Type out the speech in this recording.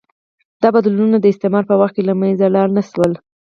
دا بدلونونه د استعمار په وخت کې له منځه لاړ نه شول.